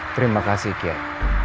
terima kasih kiai